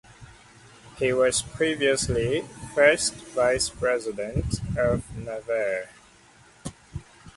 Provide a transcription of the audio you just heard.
He was previously First Vice President of Navarre.